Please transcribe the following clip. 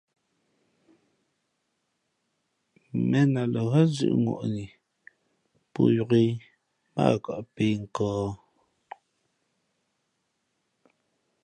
̀mēn a lα ghén zʉ̄ʼŋwαni pō yōk ǐ mά ǎ kα pēh nkᾱᾱ.